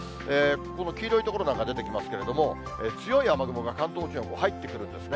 この黄色い所なんか出てきますけれども、強い雨雲が関東地方に入ってくるんですね。